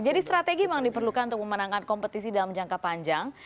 jadi strategi memang diperlukan untuk memenangkan kompetisi dalam jangka panjang